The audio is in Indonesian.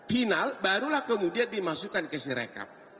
final barulah kemudian dimasukkan ke si rekap